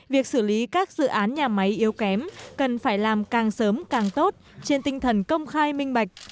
việc xử lý các dự án nhà máy yếu kém cần phải làm càng sớm càng tốt trên tinh thần công khai minh bạch